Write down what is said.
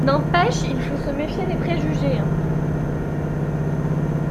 N’empêche, il faut se méfier des préjugés.